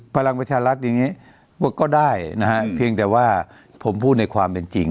พลังประชารัฐอย่างนี้ก็ได้นะฮะเพียงแต่ว่าผมพูดในความเป็นจริง